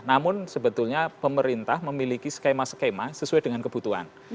namun sebetulnya pemerintah memiliki skema skema sesuai dengan kebutuhan